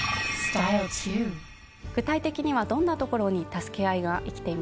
具体的にはどんなところに「たすけあい」が生きていますか？